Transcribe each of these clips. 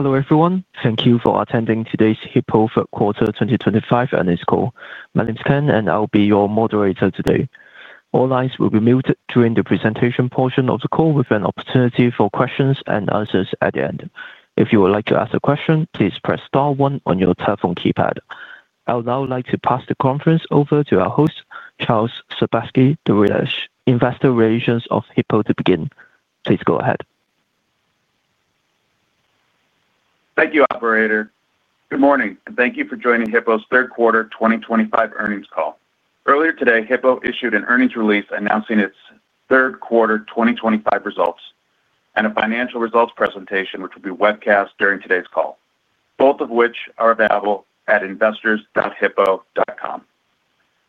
Hello everyone, thank you for attending today's Hippo third quarter 2025 earnings call. My name's Ken, and I'll be your moderator today. All lines will be muted during the presentation portion of the call, with an opportunity for questions and answers at the end. If you would like to ask a question, please press star one on your telephone keypad. I would now like to pass the conference over to our host, Charles Sebaski, Investor Relations of Hippo, to begin. Please go ahead. Thank you, Operator. Good morning, and thank you for joining Hippo's third quarter 2025 earnings call. Earlier today, Hippo issued an earnings release announcing its third quarter 2025 results and a financial results presentation, which will be webcast during today's call, both of which are available at investors.hippo.com.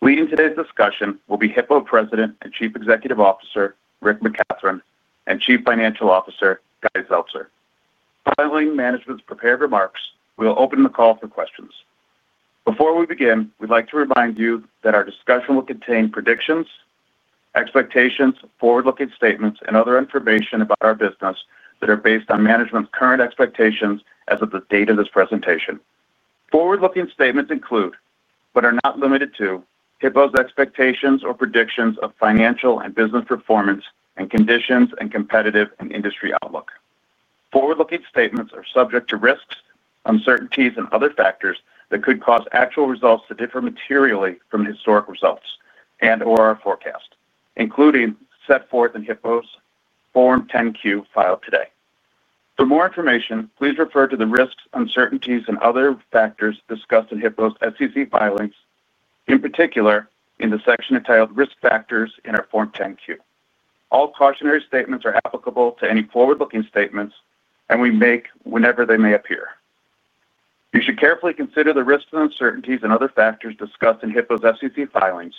Leading today's discussion will be Hippo President and Chief Executive Officer, Rick McCathron, and Chief Financial Officer, Guy Zeltser. Following management's prepared remarks, we'll open the call for questions. Before we begin, we'd like to remind you that our discussion will contain predictions, expectations, forward-looking statements, and other information about our business that are based on management's current expectations as of the date of this presentation. Forward-looking statements include, but are not limited to, Hippo's expectations or predictions of financial and business performance and conditions and competitive and industry outlook. Forward-looking statements are subject to risks, uncertainties, and other factors that could cause actual results to differ materially from historic results and/or our forecast, including as set forth in Hippo's Form 10-Q filed today. For more information, please refer to the risks, uncertainties, and other factors discussed in Hippo's SEC filings, in particular in the section entitled Risk Factors in our Form 10-Q. All cautionary statements are applicable to any forward-looking statements we make whenever they may appear. You should carefully consider the risks and uncertainties and other factors discussed in Hippo's SEC filings.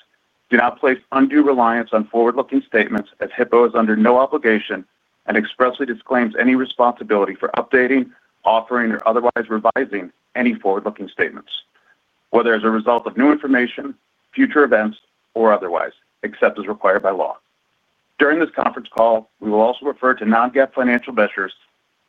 Do not place undue reliance on forward-looking statements, as Hippo is under no obligation and expressly disclaims any responsibility for updating, offering, or otherwise revising any forward-looking statements, whether as a result of new information, future events, or otherwise, except as required by law. During this conference call, we will also refer to Non-GAAP financial measures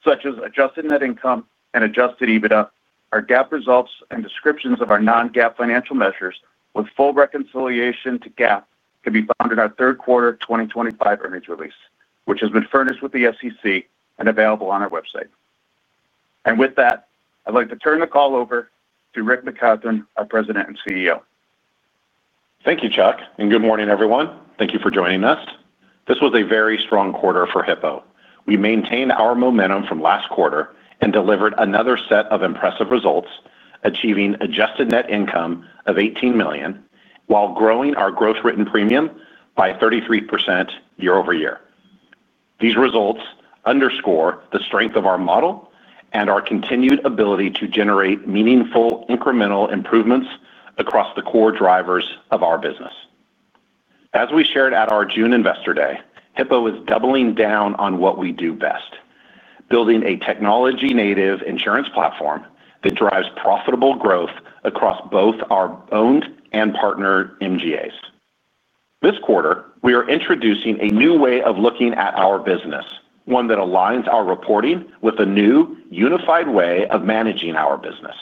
such as Adjusted Net Income and Adjusted EBITDA. Our GAAP results and descriptions of our Non-GAAP financial measures, with full reconciliation to GAAP, can be found in our third quarter 2025 earnings release, which has been furnished with the SEC and available on our website. I would like to turn the call over to Rick McCathron, our President and CEO. Thank you, Chuck, and good morning, everyone. Thank you for joining us. This was a very strong quarter for Hippo. We maintained our momentum from last quarter and delivered another set of impressive results, achieving Adjusted Net Income of $18 million while growing our gross written premium by 33% year-over-year. These results underscore the strength of our model and our continued ability to generate meaningful incremental improvements across the core drivers of our business. As we shared at our June Investor Day, Hippo is doubling down on what we do best: building a technology-native insurance platform that drives profitable growth across both our owned and partnered MGAs. This quarter, we are introducing a new way of looking at our business, one that aligns our reporting with a new, unified way of managing our business.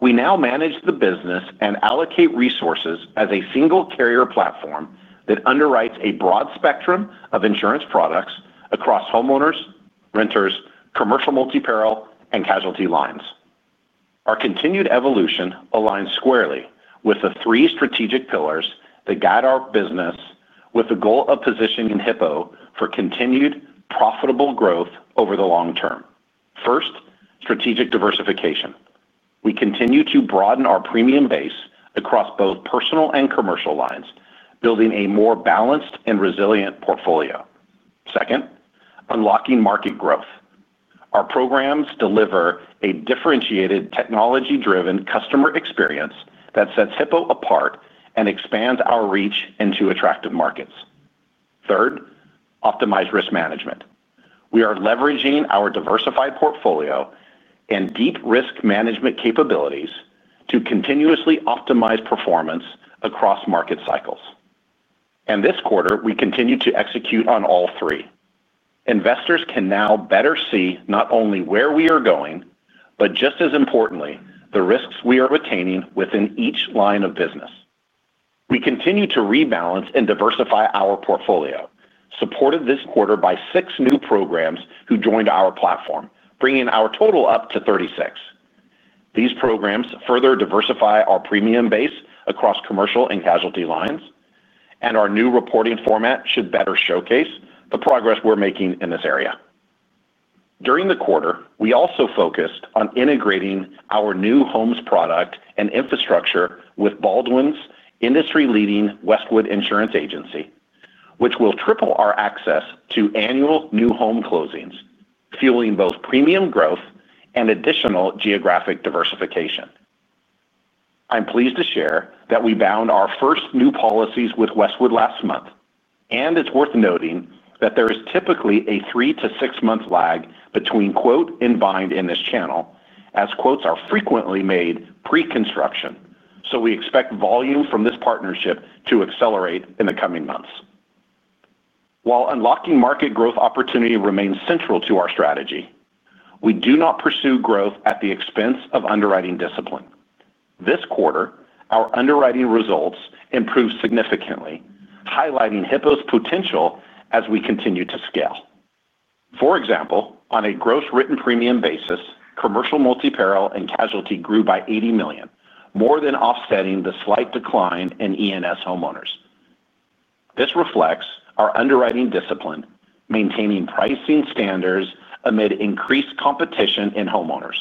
We now manage the business and allocate resources as a single carrier platform that underwrites a broad spectrum of insurance products across homeowners, renters, commercial multi-peril, and casualty lines. Our continued evolution aligns squarely with the three strategic pillars that guide our business, with the goal of positioning Hippo for continued profitable growth over the long term. First, strategic diversification. We continue to broaden our premium base across both personal and commercial lines, building a more balanced and resilient portfolio. Second, unlocking market growth. Our programs deliver a differentiated, technology-driven customer experience that sets Hippo apart and expands our reach into attractive markets. Third, optimized risk management. We are leveraging our diversified portfolio and deep risk management capabilities to continuously optimize performance across market cycles. This quarter, we continue to execute on all three. Investors can now better see not only where we are going, but just as importantly, the risks we are retaining within each line of business. We continue to rebalance and diversify our portfolio, supported this quarter by six new programs who joined our platform, bringing our total up to 36. These programs further diversify our premium base across commercial and casualty lines, and our new reporting format should better showcase the progress we're making in this area. During the quarter, we also focused on integrating our new homes product and infrastructure with Baldwin's industry-leading Westwood Insurance Agency, which will triple our access to annual new home closings, fueling both premium growth and additional geographic diversification. I'm pleased to share that we bound our first new policies with Westwood last month, and it's worth noting that there is typically a three- to six-month lag between "in bind" in this channel, as quotes are frequently made pre-construction, so we expect volume from this partnership to accelerate in the coming months. While unlocking market growth opportunity remains central to our strategy, we do not pursue growth at the expense of underwriting discipline. This quarter, our underwriting results improved significantly, highlighting Hippo's potential as we continue to scale. For example, on a gross written premium basis, commercial multi-peril and casualty grew by $80 million, more than offsetting the slight decline in E&S homeowners. This reflects our underwriting discipline, maintaining pricing standards amid increased competition in homeowners,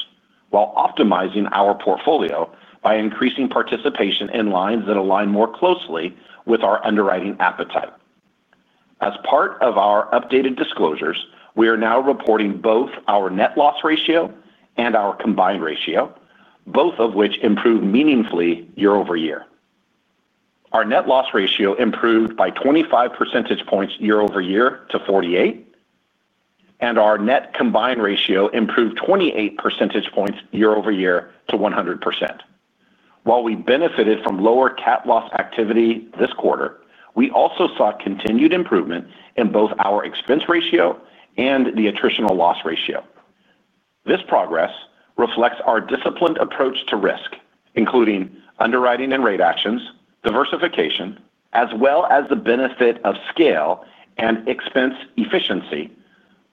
while optimizing our portfolio by increasing participation in lines that align more closely with our underwriting appetite. As part of our updated disclosures, we are now reporting both our net loss ratio and our combined ratio, both of which improved meaningfully year-over-year. Our net loss ratio improved by 25 percentage points year-over-year to 48%. And our net combined ratio improved 28 percentage points year-over-year to 100%. While we benefited from lower GAAP loss activity this quarter, we also saw continued improvement in both our expense ratio and the attritional loss ratio. This progress reflects our disciplined approach to risk, including underwriting and rate actions, diversification, as well as the benefit of scale and expense efficiency,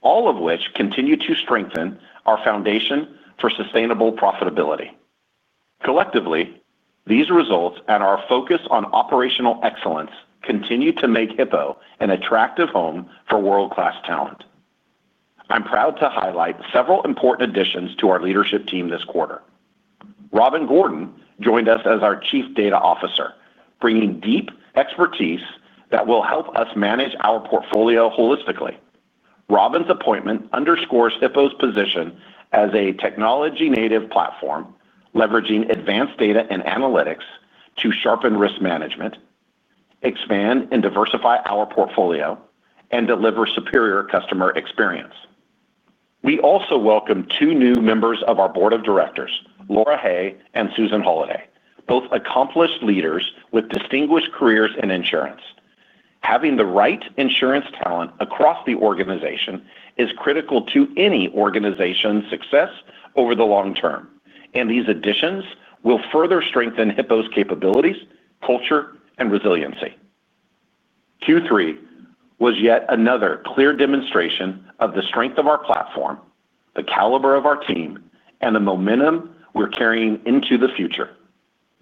all of which continue to strengthen our foundation for sustainable profitability. Collectively, these results and our focus on operational excellence continue to make Hippo an attractive home for world-class talent. I'm proud to highlight several important additions to our leadership team this quarter. Robin Gordon joined us as our Chief Data Officer, bringing deep expertise that will help us manage our portfolio holistically. Robin's appointment underscores Hippo's position as a technology-native platform, leveraging advanced data and analytics to sharpen risk management, expand and diversify our portfolio, and deliver superior customer experience. We also welcome two new members of our board of directors, Laura Hay and Susan Holiday, both accomplished leaders with distinguished careers in insurance. Having the right insurance talent across the organization is critical to any organization's success over the long term, and these additions will further strengthen Hippo's capabilities, culture, and resiliency. Q3 was yet another clear demonstration of the strength of our platform, the caliber of our team, and the momentum we're carrying into the future.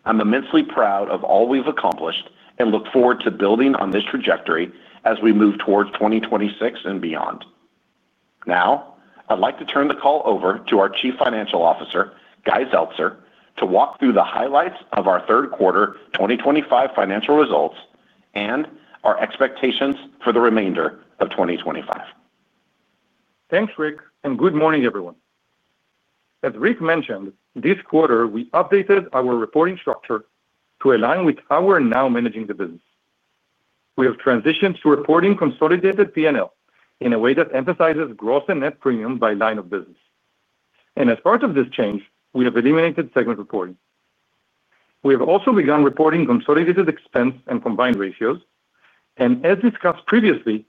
I'm immensely proud of all we've accomplished and look forward to building on this trajectory as we move towards 2026 and beyond. Now, I'd like to turn the call over to our Chief Financial Officer, Guy Zeltzer, to walk through the highlights of our third quarter 2025 financial results and our expectations for the remainder of 2025. Thanks, Rick, and good morning, everyone. As Rick mentioned, this quarter, we updated our reporting structure to align with how we're now managing the business. We have transitioned to reporting consolidated P&L in a way that emphasizes gross and net premium by line of business. As part of this change, we have eliminated segment reporting. We have also begun reporting consolidated expense and combined ratios, and as discussed previously,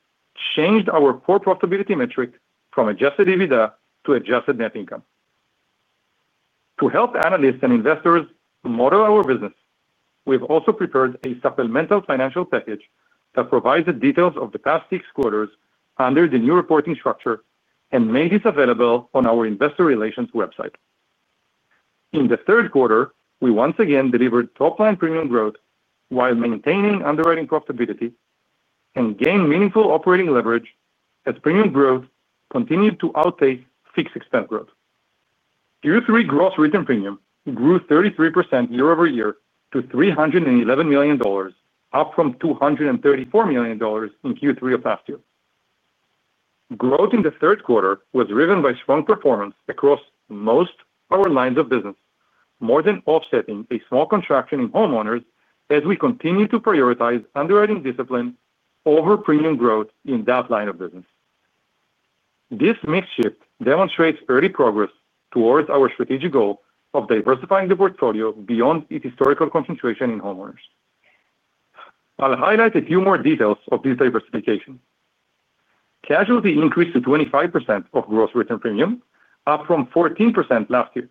changed our core profitability metric from Adjusted EBITDA to Adjusted Net Income. To help analysts and investors model our business, we have also prepared a supplemental financial package that provides the details of the past six quarters under the new reporting structure and made it available on our investor relations website. In the third quarter, we once again delivered top-line premium growth while maintaining underwriting profitability and gained meaningful operating leverage as premium growth continued to outpace fixed expense growth. Q3 gross written premium grew 33% year-over-year to $311 million, up from $234 million in Q3 of last year. Growth in the third quarter was driven by strong performance across most of our lines of business, more than offsetting a small contraction in homeowners as we continue to prioritize underwriting discipline over premium growth in that line of business. This mix shift demonstrates early progress towards our strategic goal of diversifying the portfolio beyond its historical concentration in homeowners. I'll highlight a few more details of this diversification. Casualty increased to 25% of gross written premium, up from 14% last year.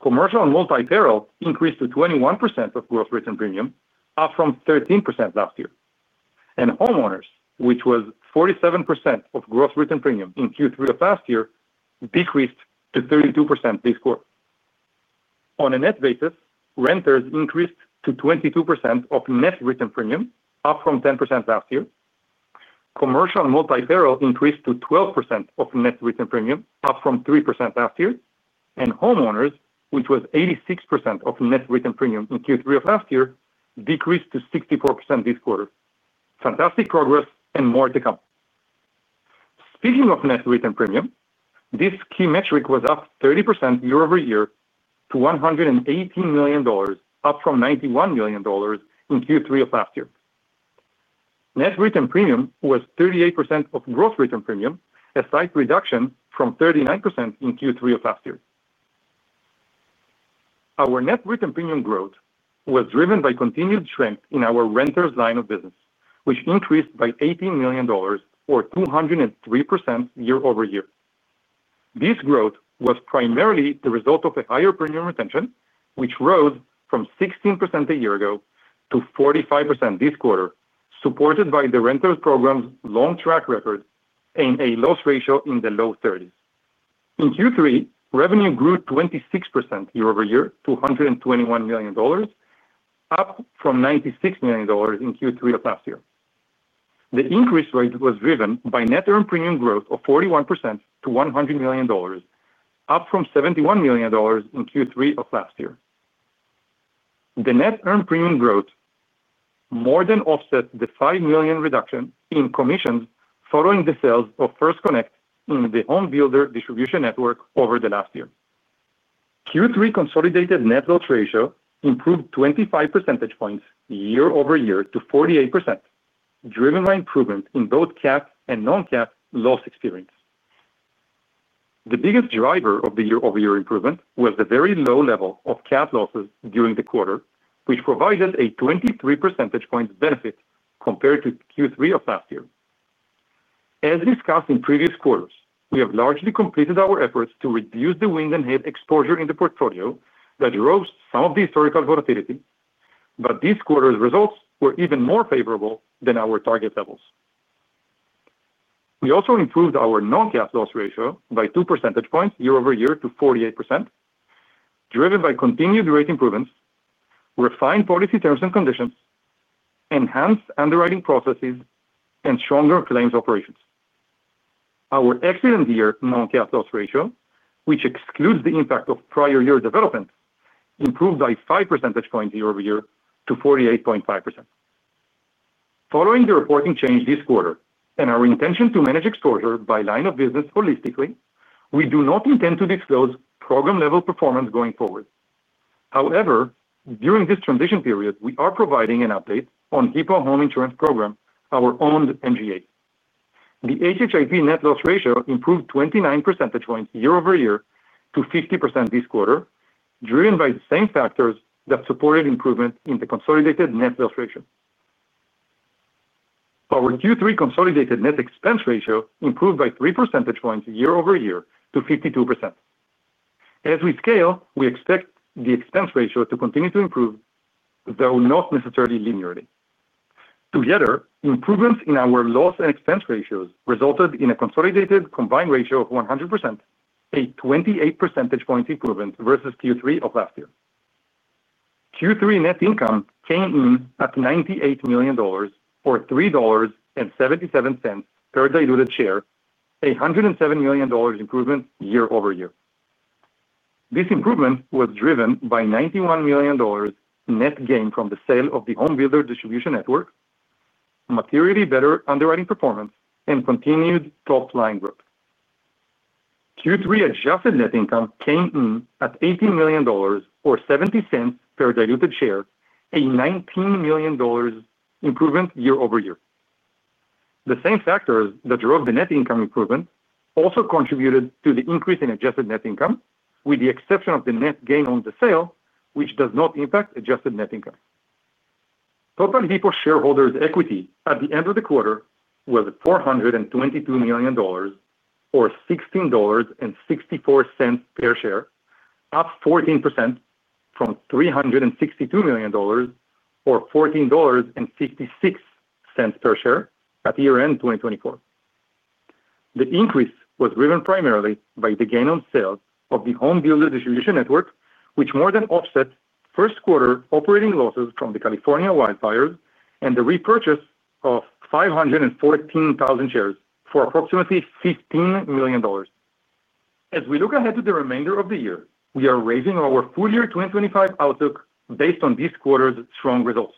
Commercial and multi-peril increased to 21% of gross written premium, up from 13% last year. Homeowners, which was 47% of gross written premium in Q3 of last year, decreased to 32% this quarter. On a net basis, renters increased to 22% of net written premium, up from 10% last year. Commercial multi-peril increased to 12% of net written premium, up from 3% last year. Homeowners, which was 86% of net written premium in Q3 of last year, decreased to 64% this quarter. Fantastic progress and more to come. Speaking of net written premium, this key metric was up 30% year-over-year to $118 million, up from $91 million in Q3 of last year. Net written premium was 38% of gross written premium, a slight reduction from 39% in Q3 of last year. Our net written premium growth was driven by continued strength in our renters line of business, which increased by $18 million, or 203% year-over-year. This growth was primarily the result of a higher premium retention, which rose from 16% a year ago to 45% this quarter, supported by the renters' program's long track record and a loss ratio in the low 30s. In Q3, revenue grew 26% year-over-year to $121 million, up from $96 million in Q3 of last year. The increase rate was driven by net earned premium growth of 41% to $100 million, up from $71 million in Q3 of last year. The net earned premium growth more than offsets the $5 million reduction in commissions following the sales of First Connect and the Home Builder Distribution Network over the last year. Q3 consolidated net loss ratio improved 25 percentage points year-over-year to 48%, driven by improvement in both GAAP and Non-GAAP loss experience. The biggest driver of the year-over-year improvement was the very low level of GAAP losses during the quarter, which provided a 23 percentage points benefit compared to Q3 of last year. As discussed in previous quarters, we have largely completed our efforts to reduce the wind and hail exposure in the portfolio that drove some of the historical volatility, but this quarter's results were even more favorable than our target levels. We also improved our Non-GAAP loss ratio by 2 percentage points year-over-year to 48%, driven by continued rate improvements, refined policy terms and conditions, enhanced underwriting processes, and stronger claims operations. Our excellent year Non-GAAP loss ratio, which excludes the impact of prior year development, improved by 5 percentage points year-over-year to 48.5%. Following the reporting change this quarter and our intention to manage exposure by line of business holistically, we do not intend to disclose program-level performance going forward. However, during this transition period, we are providing an update on Hippo Home Insurance Program, our owned MGA. The HHIP net loss ratio improved 29 percentage points year-over-year to 50% this quarter, driven by the same factors that supported improvement in the consolidated net loss ratio. Our Q3 consolidated net expense ratio improved by 3 percentage points year-over-year to 52%. As we scale, we expect the expense ratio to continue to improve, though not necessarily linearly. Together, improvements in our loss and expense ratios resulted in a consolidated combined ratio of 100%, a 28 percentage points improvement versus Q3 of last year. Q3 net income came in at $98 million, or $3.77 per diluted share, a $107 million improvement year-over-year. This improvement was driven by $91 million net gain from the sale of the Home Builder Distribution Network, materially better underwriting performance, and continued top-line growth. Q3 Adjusted Net Income came in at $18 million, or $0.70 per diluted share, a $19 million improvement year-over-year. The same factors that drove the net income improvement also contributed to the increase in Adjusted Net Income, with the exception of the net gain on the sale, which does not impact Adjusted Net Income. Total Hippo shareholders' equity at the end of the quarter was $422 million, or $16.64 per share, up 14% from $362 million, or $14.66 per share at year-end 2024. The increase was driven primarily by the gain on sales of the Home Builder Distribution Network, which more than offsets first quarter operating losses from the California wildfires and the repurchase of 514,000 shares for approximately $15 million. As we look ahead to the remainder of the year, we are raising our full year 2025 outlook based on this quarter's strong results.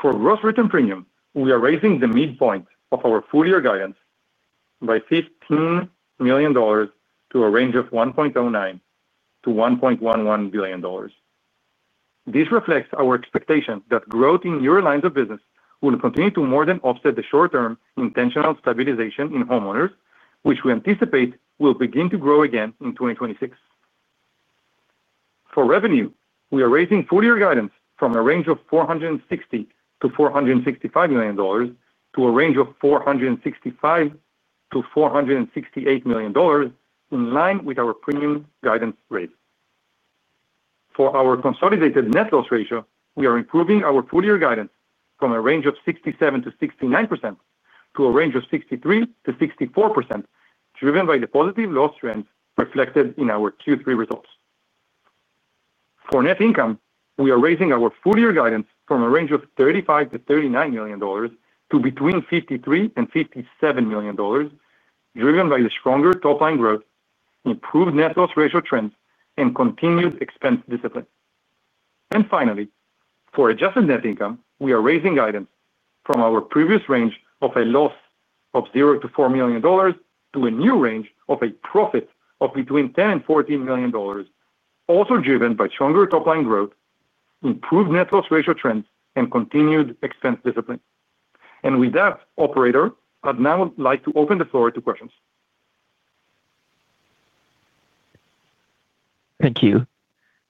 For gross written premium, we are raising the midpoint of our full year guidance by $15 million to a range of $1.09 billion-$1.11 billion. This reflects our expectation that growth in newer lines of business will continue to more than offset the short-term intentional stabilization in homeowners, which we anticipate will begin to grow again in 2026. For revenue, we are raising full year guidance from a range of $460 million-$465 million to a range of $465 million-$468 million, in line with our premium guidance rate. For our consolidated net loss ratio, we are improving our full year guidance from a range of 67%-69% to a range of 63%-64%, driven by the positive loss trends reflected in our Q3 results. For net income, we are raising our full year guidance from a range of $35 million-$39 million to between $53 million and $57 million, driven by the stronger top-line growth, improved net loss ratio trends, and continued expense discipline. Finally, for Adjusted Net Income, we are raising guidance from our previous range of a loss of $0 million-$4 million to a new range of a profit of $10 million-$14 million, also driven by stronger top-line growth, improved net loss ratio trends, and continued expense discipline. With that, Operator, I'd now like to open the floor to questions. Thank you.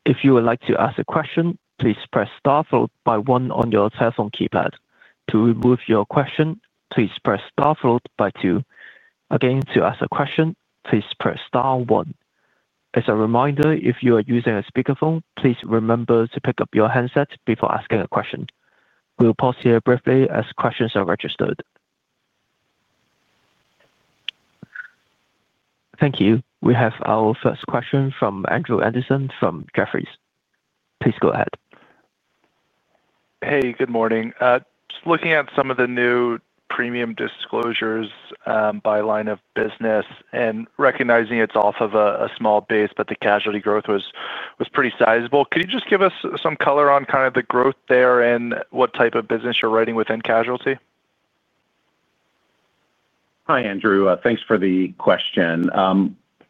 If you would like to ask a question, please press star one on your cell phone keypad. To remove your question, please press star two. Again, to ask a question, please press star one. As a reminder, if you are using a speakerphone, please remember to pick up your handset before asking a question. We'll pause here briefly as questions are registered. Thank you. We have our first question from Andrew Andersen from Jefferies. Please go ahead. Hey, good morning. Just looking at some of the new premium disclosures by line of business and recognizing it's off of a small base, but the casualty growth was pretty sizable. Could you just give us some color on kind of the growth there and what type of business you're writing within casualty? Hi, Andrew. Thanks for the question.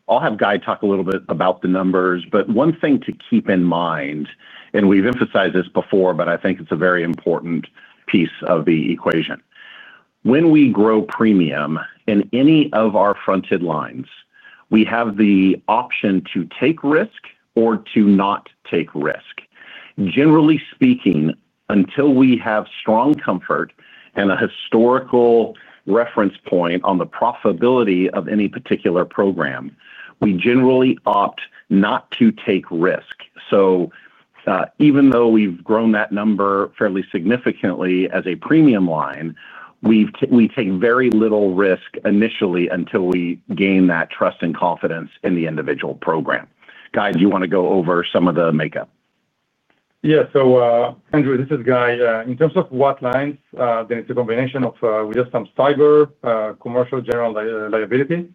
I'll have Guy talk a little bit about the numbers, but one thing to keep in mind, and we've emphasized this before, but I think it's a very important piece of the equation. When we grow premium in any of our fronted lines, we have the option to take risk or to not take risk. Generally speaking, until we have strong comfort and a historical reference point on the profitability of any particular program, we generally opt not to take risk. Even though we've grown that number fairly significantly as a premium line, we take very little risk initially until we gain that trust and confidence in the individual program. Guy, do you want to go over some of the makeup? Yeah. Andrew, this is Guy. In terms of what lines, then it's a combination of we have some cyber, commercial general liability,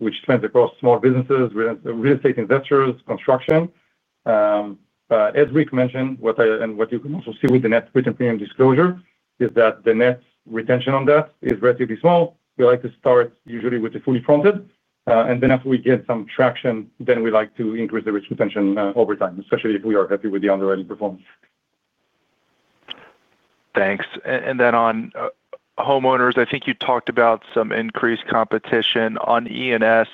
which spans across small businesses, real estate investors, construction. As Rick mentioned, what you can also see with the net written premium disclosure is that the net retention on that is relatively small. We like to start usually with the fully fronted, and then after we get some traction, then we like to increase the risk retention over time, especially if we are happy with the underwriting performance. Thanks. On homeowners, I think you talked about some increased competition on E&S.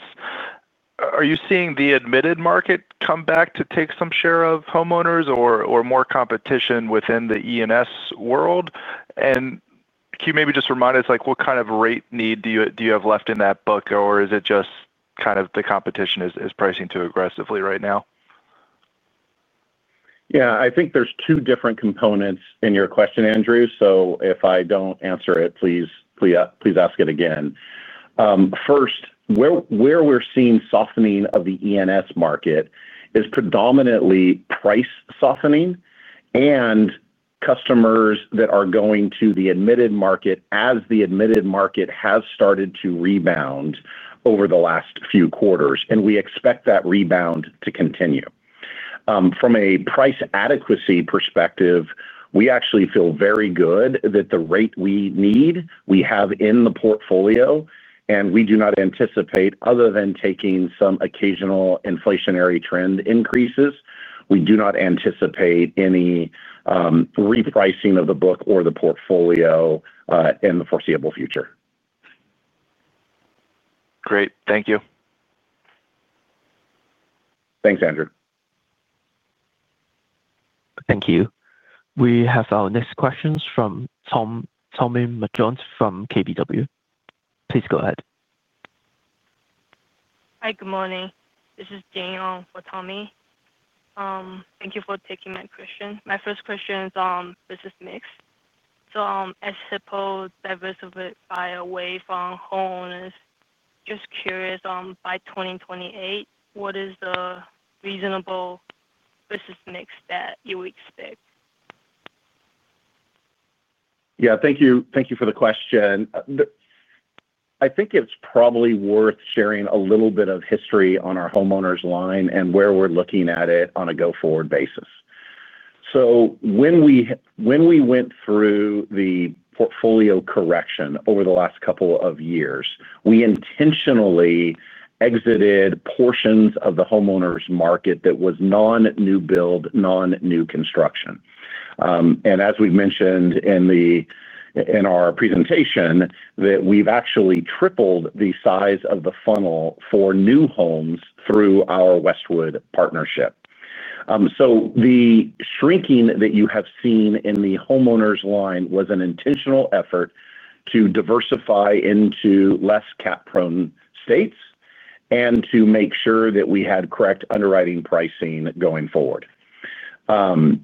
Are you seeing the admitted market come back to take some share of homeowners or more competition within the E&S world? Can you maybe just remind us, what kind of rate need do you have left in that book, or is it just kind of the competition is pricing too aggressively right now? Yeah, I think there's two different components in your question, Andrew. If I don't answer it, please ask it again. First, where we're seeing softening of the E&S market is predominantly price softening and customers that are going to the admitted market as the admitted market has started to rebound over the last few quarters, and we expect that rebound to continue. From a price adequacy perspective, we actually feel very good that the rate we need, we have in the portfolio, and we do not anticipate, other than taking some occasional inflationary trend increases, we do not anticipate any repricing of the book or the portfolio in the foreseeable future. Great. Thank you. Thanks, Andrew. Thank you. We have our next questions from Tommy McJoynt from KBW. Please go ahead. Hi, good morning. This is Daniel for Tommy. Thank you for taking my question. My first question is business mix. As Hippo diversified away from homeowners, just curious, by 2028, what is the reasonable business mix that you would expect? Yeah, thank you for the question. I think it's probably worth sharing a little bit of history on our homeowners line and where we're looking at it on a go-forward basis. When we went through the portfolio correction over the last couple of years, we intentionally exited portions of the homeowners market that was non-new build, non-new construction. As we've mentioned in our presentation, we've actually tripled the size of the funnel for new homes through our Westwood partnership. The shrinking that you have seen in the homeowners line was an intentional effort to diversify into less GAAP-prone states and to make sure that we had correct underwriting pricing going forward. On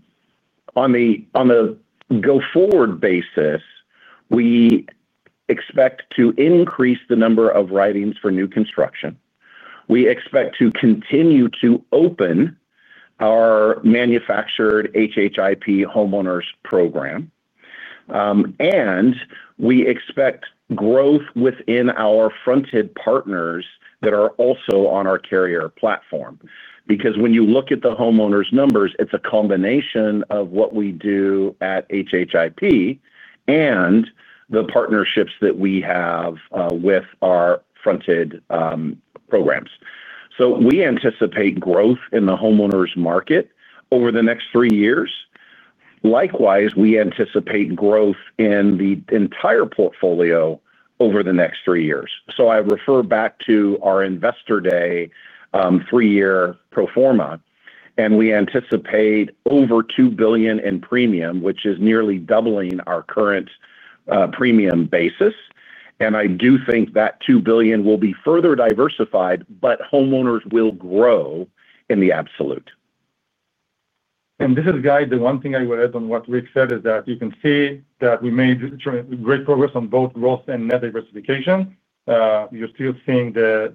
the go-forward basis, we expect to increase the number of writings for new construction. We expect to continue to open our manufactured HHIP homeowners program. We expect growth within our fronted partners that are also on our carrier platform. Because when you look at the homeowners numbers, it is a combination of what we do at HHIP and the partnerships that we have with our fronted programs. We anticipate growth in the homeowners market over the next three years. Likewise, we anticipate growth in the entire portfolio over the next three years. I refer back to our investor day three-year pro forma, and we anticipate over $2 billion in premium, which is nearly doubling our current premium basis. I do think that $2 billion will be further diversified, but homeowners will grow in the absolute. This is Guy. The one thing I will add on what Rick said is that you can see that we made great progress on both growth and net diversification. You're still seeing the,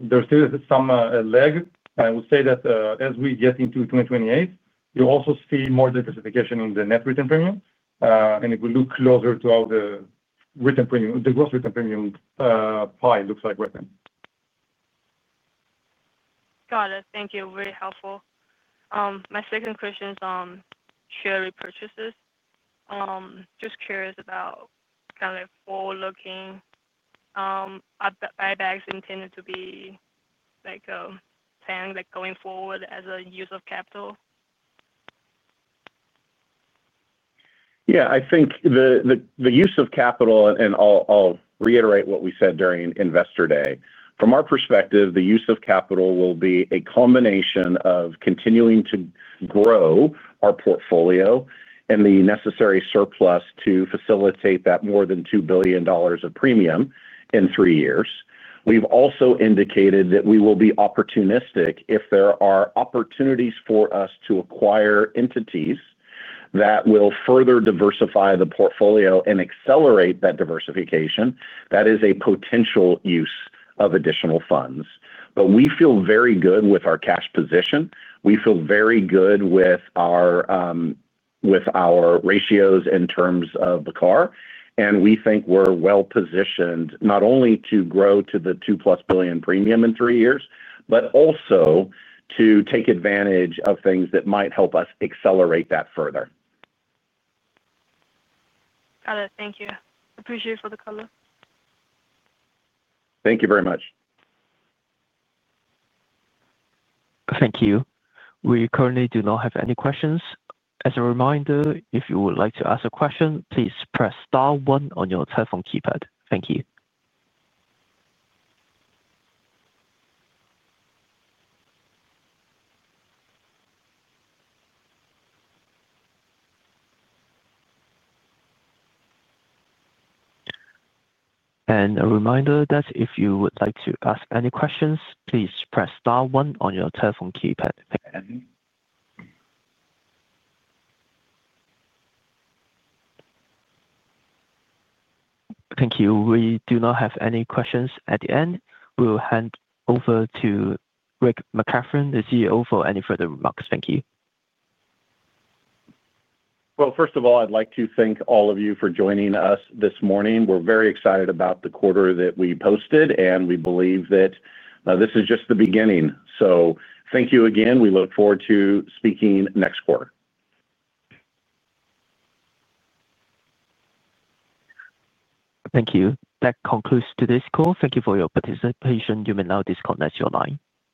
there's still some lag. I would say that as we get into 2028, you'll also see more diversification in the net written premium. If we look closer to how the written premium, the gross written premium pie looks like right now. Got it. Thank you. Very helpful. My second question is share repurchases. Just curious about kind of forward-looking buybacks intended to be planned going forward as a use of capital. Yeah, I think the use of capital, and I'll reiterate what we said during investor day, from our perspective, the use of capital will be a combination of continuing to grow our portfolio and the necessary surplus to facilitate that more than $2 billion of premium in three years. We've also indicated that we will be opportunistic if there are opportunities for us to acquire entities that will further diversify the portfolio and accelerate that diversification. That is a potential use of additional funds. We feel very good with our cash position. We feel very good with our ratios in terms of the car. We think we're well positioned not only to grow to the 2+ billion premium in three years, but also to take advantage of things that might help us accelerate that further. Got it. Thank you. Appreciate it for the color. Thank you very much. Thank you. We currently do not have any questions. As a reminder, if you would like to ask a question, please press star one on your cell phone keypad. Thank you. A reminder that if you would like to ask any questions, please press star one on your cell phone keypad. Thank you. We do not have any questions at the end. We'll hand over to Rick McCathron, the CEO, for any further remarks. Thank you. First of all, I'd like to thank all of you for joining us this morning. We're very excited about the quarter that we posted, and we believe that this is just the beginning. Thank you again. We look forward to speaking next quarter. Thank you. That concludes today's call. Thank you for your participation. You may now disconnect your line.